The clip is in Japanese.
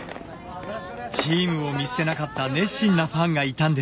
チームを見捨てなかった熱心なファンがいたんです。